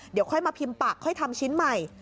เดี๋ยวค่อยมาพิมพ์ปากค่อยทำชิ้นใหม่